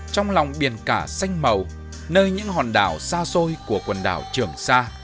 trong lòng biển cả xanh màu nơi những hòn đảo xa xôi của quần đảo trường sa